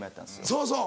そうそう。